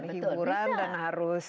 hiburan dan harus